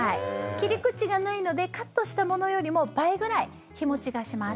切り口がないのでカットしたものよりも倍ぐらい日持ちがします。